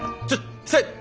ちょっと。